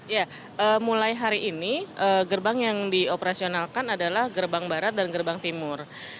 ya mulai hari ini gerbang yang dioperasionalkan adalah gerbang barat dan gerbang timur